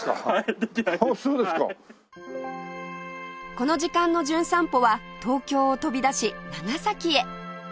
この時間の『じゅん散歩』は東京を飛び出し長崎へ